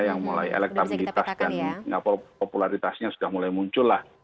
yang mulai elektabilitas dan popularitasnya sudah mulai muncul lah